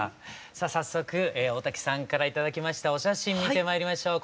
さあ早速大滝さんから頂きましたお写真見てまいりましょう。